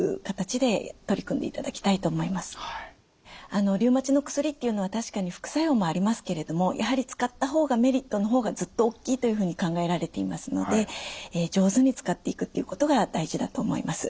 あのリウマチの薬っていうのは確かに副作用もありますけれどもやはり使ったほうがメリットのほうがずっと大きいというふうに考えられていますので上手に使っていくっていうことが大事だと思います。